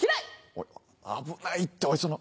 おい危ないってその。